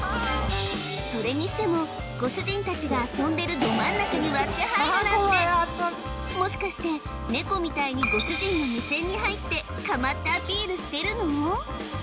それにしてもご主人たちが遊んでるなんてもしかしてネコみたいにご主人の目線に入ってかまってアピールしてるの？